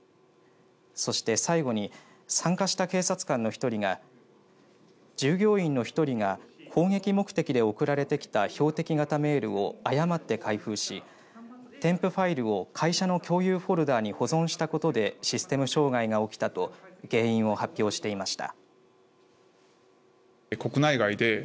そして最後に参加した警察官の１人が従業員の１人が攻撃目的で送られてきた標的型メールを誤って開封し添付ファイルを会社の共有フォルダに保存したことでシステム障害が起きたと原因を発表していました。